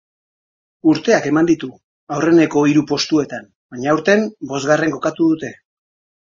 Urteak eman ditu aurreneko hiru postuetan, baina aurten bosgarren kokatu dute.